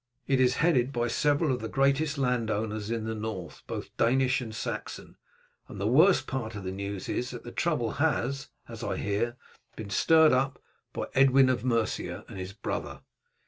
It is headed by several of the greatest landowners in the north, both Danish and Saxon, and the worst part of the news is that the trouble has, as I hear, been stirred up by Edwin of Mercia and his brother.